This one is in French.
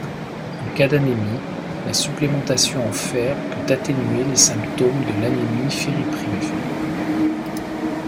En cas d'anémie, la supplémentation en fer peut atténuer les symptômes de l'anémie ferriprive.